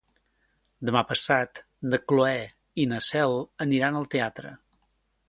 Demà passat na Cloè i na Cel aniran al teatre.